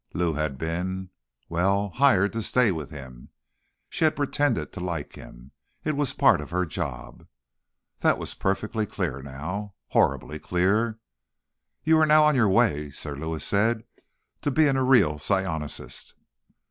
Lou had been ... well, hired to stay with him. She had pretended to like him; it was part of her job. That was perfectly clear now. Horribly clear. "You are now on your way," Sir Lewis said, "to being a real psionicist."